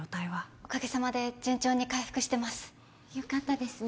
おかげさまで順調に回復してますよかったですね